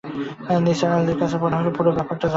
নিসার আলির কাছে মনে হল পুরো ব্যাপারটা জট পাকিয়ে যাচ্ছে।